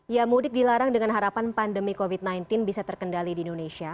ya mudik dilarang dengan harapan pandemi covid sembilan belas bisa terkendali di indonesia